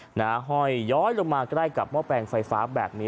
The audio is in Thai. หน้าห้อยย้อยลงมาใกล้กับหม้อแปลงไฟฟ้าแบบนี้